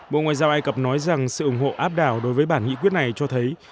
bộ ngoại giao ai cập nói rằng sự ủng hộ áp đảo đối với bản nghị quyết này cho thấy